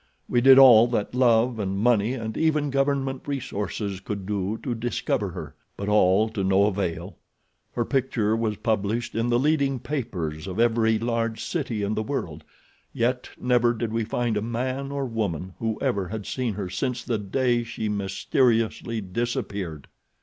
We did all that love and money and even government resources could do to discover her; but all to no avail. Her picture was published in the leading papers of every large city in the world, yet never did we find a man or woman who ever had seen her since the day she mysteriously disappeared.